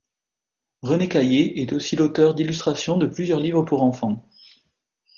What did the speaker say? René Caillé est aussi l’auteur d’illustrations de plusieurs livres pour enfants.